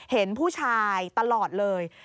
เห็นผู้ชายตลอดเลย